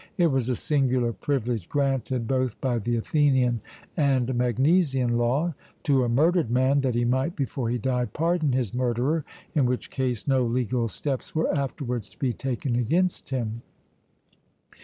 It was a singular privilege granted, both by the Athenian and Magnesian law, to a murdered man, that he might, before he died, pardon his murderer, in which case no legal steps were afterwards to be taken against him.